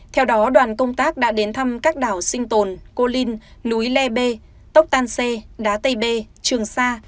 theo đó đoàn công tác đã đến thăm các đảo sinh tồn cô linh núi lê b tốc tan xê đá tây bê trường sa